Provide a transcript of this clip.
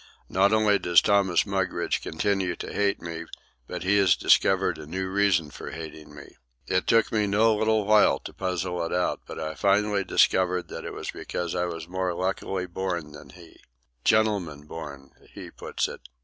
Not only does Thomas Mugridge continue to hate me, but he has discovered a new reason for hating me. It took me no little while to puzzle it out, but I finally discovered that it was because I was more luckily born than he—"gentleman born," he put it.